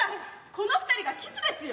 この二人がキスですよ。